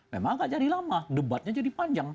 memang agak jadi lama debatnya jadi panjang